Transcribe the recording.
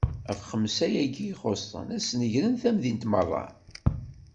Ɣef xemsa-agi ixuṣṣen, ad tesnegreḍ tamdint meṛṛa?